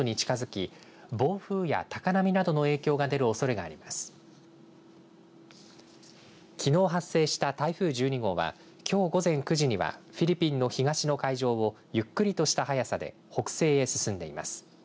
きのう発生した台風１２号はきょう午前９時にはフィリピンの東の海上をゆっくりとした速さで北西へ進んでいます。